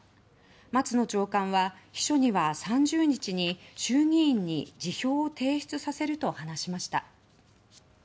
松野長官は、秘書には３０日に衆議院に辞表を提出させると話しました。